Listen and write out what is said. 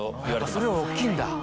それより大っきいんだ。